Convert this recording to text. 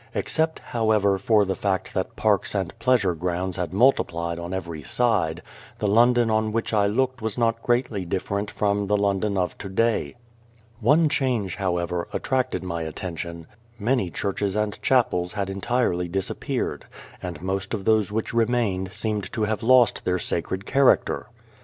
Except, however, for the fact that parks and pleasure grounds had multiplied on every side, the London on which I looked was not greatly different from the London of to day. One change, however, attracted my attention many churches and chapels had entirely disappeared, and most of those which remained seemed to have lost their sacred character.